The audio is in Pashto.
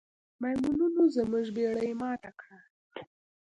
میمونونو زموږ بیړۍ ماته کړه.